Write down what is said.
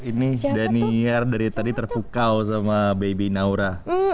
ini danier dari tadi terpukau sama baby naura